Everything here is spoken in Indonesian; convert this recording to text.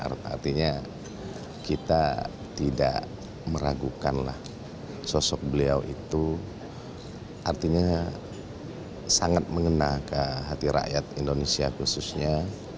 artinya kita tidak meragukanlah sosok beliau itu artinya sangat mengena ke hati rakyat indonesia khususnya